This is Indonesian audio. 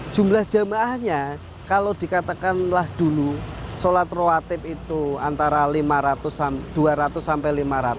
jumlah jamaahnya kalau dikatakanlah dulu sholat rohatib itu antara dua ratus sampai lima ratus